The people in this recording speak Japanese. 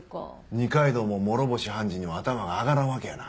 二階堂も諸星判事には頭が上がらんわけやな。